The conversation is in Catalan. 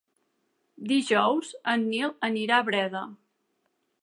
Dijous en Nil anirà a Breda.